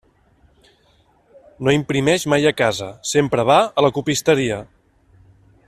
No imprimeix mai a casa, sempre va a la copisteria.